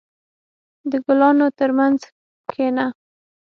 • د ګلانو ترمنځ کښېنه.